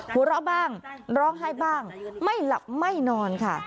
หัวเราะบ้างร้องไห้บ้างไม่หลับไม่นอนค่ะ